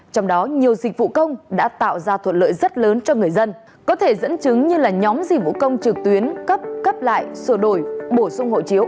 trong đó nhiều dịch vụ công đã tạo ra thuận lợi rất lớn cho người dân có thể dẫn chứng như là nhóm dịch vụ công trực tuyến cấp cấp lại sổ đổi bổ sung hộ chiếu